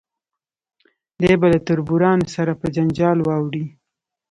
دی به له تربورانو سره په جنجال واړوي.